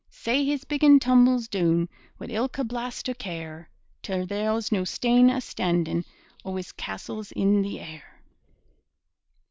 Sae his biggin' tumbles doon, Wi' ilka blast o' care, Till there's no stane astandin' O' his castles in the air.